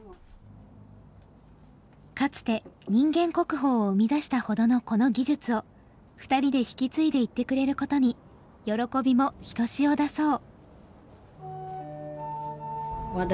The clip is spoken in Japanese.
かつて人間国宝を生み出したほどのこの技術を２人で引き継いでいってくれることに喜びもひとしおだそう。